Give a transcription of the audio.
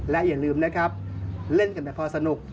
และอย่าลืมนะครับเล่นกันแบบพอสนุก